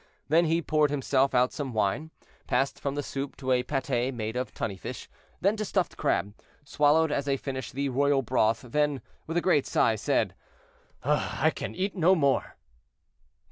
Then he poured himself out some wine, passed from the soup to a pâté made of tunny fish, then to stuffed crab, swallowed as a finish the royal broth, then, with a great sigh, said: "I can eat no more."